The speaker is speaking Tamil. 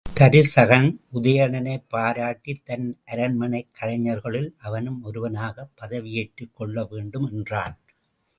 தருசகன் உதயணனைப் பாராட்டித் தன் அரண்மனைக் கலைஞர்களுள் அவனும் ஒருவனாகப் பதவி ஏற்றுக் கொள்ள வேண்டும் என்றான்.